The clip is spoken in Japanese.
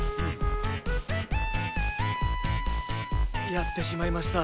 やってしまいました。